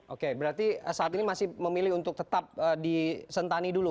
oke berarti saat ini masih memilih untuk tetap disentani dulu